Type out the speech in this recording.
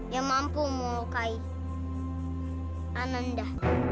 yang mampu melukai ananda